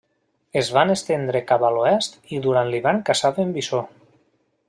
Es van estendre cap a l'oest i durant l'hivern caçaven bisó.